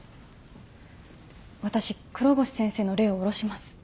私黒越先生の霊を降ろします。